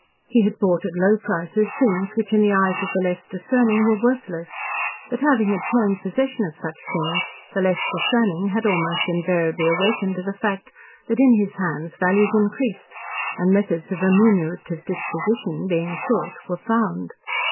He had bought at low prices things which in the eyes of the less discerning were worthless, but, having obtained possession of such things, the less discerning had almost invariably awakened to the fact that, in his hands, values increased, and methods of remunerative disposition, being sought, were found.